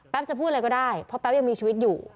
จะพูดอะไรก็ได้เพราะแป๊บยังมีชีวิตอยู่